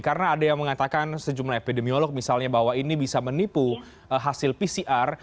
karena ada yang mengatakan sejumlah epidemiolog misalnya bahwa ini bisa menipu hasil pcr